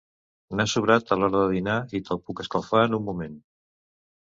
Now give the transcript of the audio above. N'ha sobrat a l'hora de dinar i te'l puc escalfar en un moment.